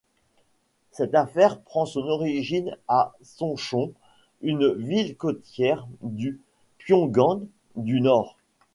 Cette affaire prend son origine à Sonchon, une ville côtière du Pyongan du Nord.